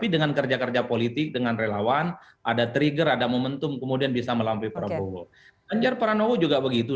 dengan relawan ada trigger ada momentum kemudian bisa melampaui prabowo ganjar prabowo juga begitu